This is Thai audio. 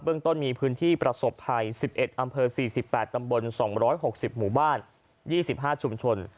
ต้นมีพื้นที่ประสบภัย๑๑อำเภอ๔๘ตำบล๒๖๐หมู่บ้าน๒๕ชุมชน